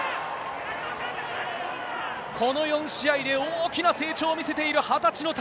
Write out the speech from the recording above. この４試合で大きな成長を見せている２０歳の谷。